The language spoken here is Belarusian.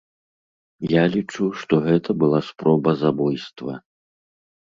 Я лічу, што гэта была спроба забойства.